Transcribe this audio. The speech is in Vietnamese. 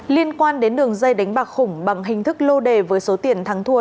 liên quan đến đường dây đánh bạc khủng bằng hình thức lô đề với số tiền thắng thua